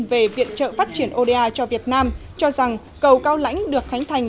về viện trợ phát triển oda cho việt nam cho rằng cầu cao lãnh được khánh thành